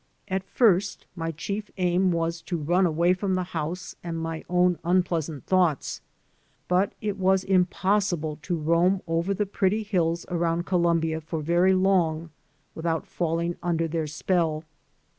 At first my chief aim was to run away from the house and my own unpleasant thoughts. But it was impossible to roam over the pretty hills around Columbia for very long without falling under their spell.